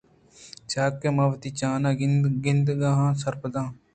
چیاکہ من وتی جان ءَ گِندگاہان ءُ سرپداں